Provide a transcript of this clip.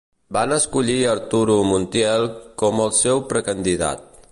Van escollir Arturo Montiel com al seu precandidat.